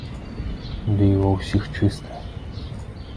Ды і ўва ўсіх чыста.